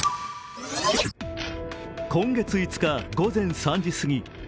今月５日、午前３時すぎ。